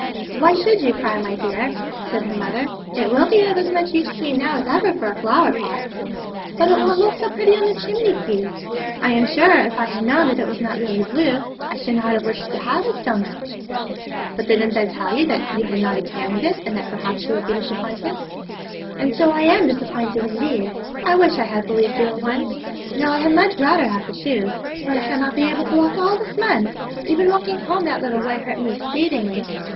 'Why should you cry, my dear?' said her mother; 'it will be of as much use to you now as ever for a flower pot.' 'But it won't look so pretty on the chimney piece. I am sure, if I had known that it was not really blue, I should not have wished to have it so much.' 'But didn't I tell you that you had not examined it, and that perhaps you would be disappointed?' 'And so I am disappointed, indeed. I wish I had believed you at once. Now I had much rather have the shoes, for I shall not be able to walk all this month; even walking home that little way hurt me exceedingly.